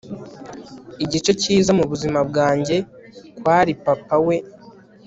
igice cyiza mubuzima bwanjye kwari papa we